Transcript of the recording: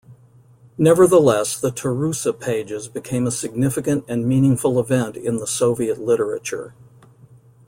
Nevertheless, the "Tarusa Pages" became a significant and meaningful event in the Soviet literature.